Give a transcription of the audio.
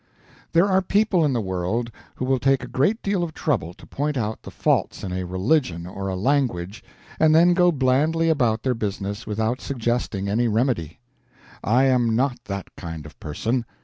There are people in the world who will take a great deal of trouble to point out the faults in a religion or a language, and then go blandly about their business without suggesting any remedy. I am not that kind of person.